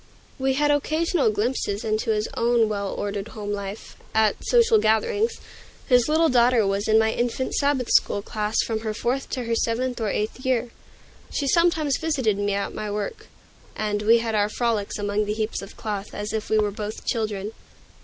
We had occasional glimpses into his own well ordered home life, at social gatherings. His little daughter was in my infant Sabbath school class from her fourth to her seventh or eighth year. She sometimes visited me at my work, and we had our frolics among the heaps of cloth, as if we were both children.